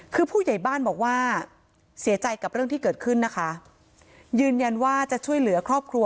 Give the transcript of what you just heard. คือผู้ใหญ่บ้านบอกว่าเสียใจกับเรื่องที่เกิดขึ้นนะคะ